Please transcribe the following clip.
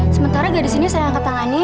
sementara gadis ini saya angkat tangani